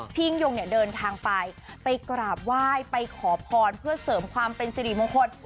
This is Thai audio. ยิ่งยงเนี่ยเดินทางไปไปกราบไหว้ไปขอพรเพื่อเสริมความเป็นสิริมงคล